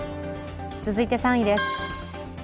続いて３位です。